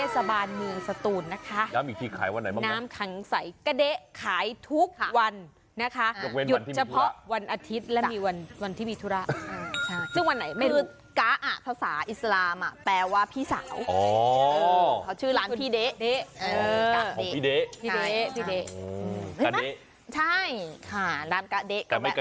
สหราหน้าเทศบรรมิศตูลนะคะ